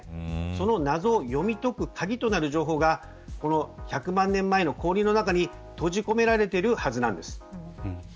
その謎を読み解く鍵となる情報が１００万年前の氷の中に閉じ込められているはずなんです。